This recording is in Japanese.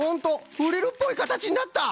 フリルっぽいかたちになった！